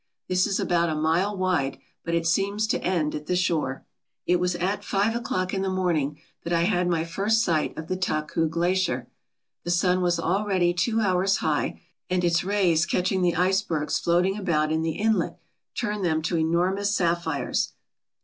This is about a mile wide but it seems to end at the shore. It was at five o'clock in the morning that I had my first sight of the Taku Glacier. The sun was already two hours high, and its rays catching the icebergs floating about in the inlet turned them to enormous sapphires.